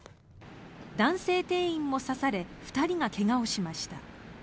男性店員も刺され２人が怪我をしました。